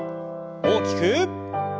大きく。